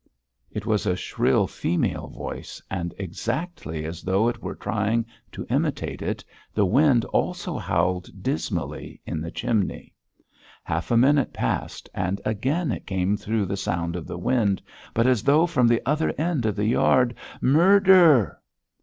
It was a shrill female voice, and exactly as though it were trying to imitate it, the wind also howled dismally in the chimney. Half a minute passed and again it came through the sound of the wind, but as though from the other end of the yard: "Mur der!"